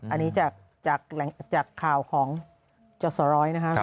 อันนี้จากข่าวของจอสเตอรอยด์นะครับ